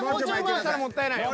こぼしたらもったいないよ。